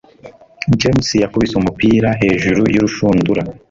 James yakubise umupira hejuru y'urushundura